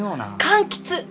柑橘！